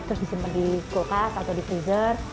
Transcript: terus disimpan di kulkas atau di freezer